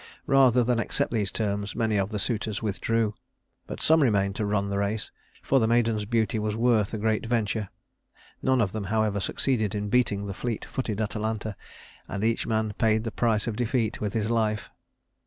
Rather than accept these terms, many of the suitors withdrew; but some remained to run the race, for the maiden's beauty was worth a great venture. None of them, however, succeeded in beating the fleet footed Atalanta; and each man paid the price of defeat with his life.